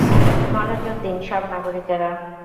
মনোযোগ দিন, সব নাগরিকেরা।